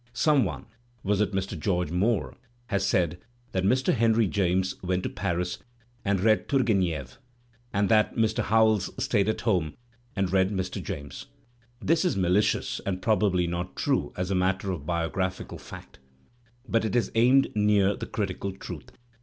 ! Some one (was it Mr. George Moore?) has said that Mr. I Henry James went to Paris and read Turgenev and that ] Mr. Howells stayed home and read Mr. James. This is malidous and probably not true as a matter of biographical 1^ fact. But it is aimed near the critical truth.